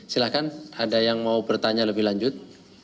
silahkan ada yang mau bertanya lebih lanjut